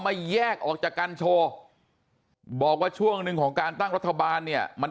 แยกออกจากกันโชว์บอกว่าช่วงหนึ่งของการตั้งรัฐบาลเนี่ยมัน